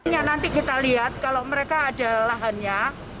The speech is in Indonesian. ya nanti kita lihat kalau mereka ada lahannya